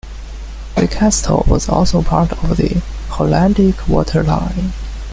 The Castle was also part of the Hollandic Water Line.